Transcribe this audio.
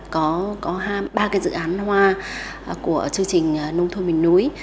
có ba cái dự án hoa của chương trình nông thu mình núi